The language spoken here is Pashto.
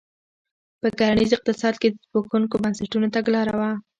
په کرنیز اقتصاد کې د زبېښونکو بنسټونو تګلاره وه.